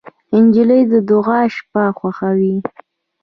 نجلۍ د دعا شپه خوښوي.